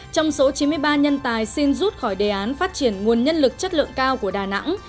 trong số chín mươi ba nhân tài xin rút khỏi đề án phát triển nguồn nhân lực chất lượng cao của đà nẵng